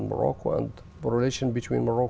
để có thể thấy và nhìn thấy mbc vn